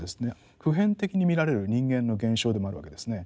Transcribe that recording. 普遍的に見られる人間の現象でもあるわけですね。